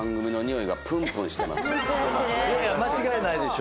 いやいや間違いないでしょ。